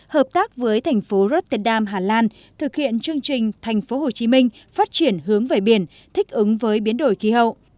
hợp tác với tp rotterdam hà lan thực hiện chương trình tp hcm phát triển hướng về biển thích ứng với biến đổi khí hậu